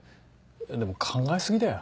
でも考え過ぎだよ。